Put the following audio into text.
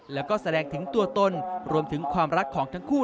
แล้วก็แสดงถึงตัวตนรวมถึงความรักของทั้งคู่